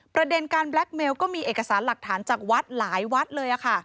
ประเด็นการแบล็คเมลก็มีเอกสารหลักฐานจากวัดหลายวัดเลย